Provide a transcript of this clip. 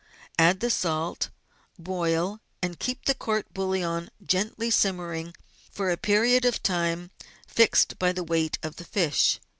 Add the salt, boil, and keep the court bouillon gently simmering for a period of time fixed by the weight of the fish.